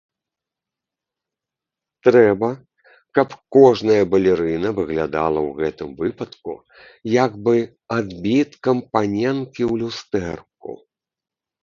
Трэба, каб кожная балерына выглядала ў гэтым выпадку як бы адбіткам паненкі ў люстэрку.